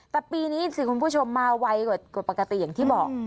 แต่ปีนี้สิคุณผู้ชมมาไวกว่าปกติอย่างที่บอก